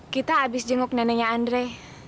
kita habis jenguk neneknya andre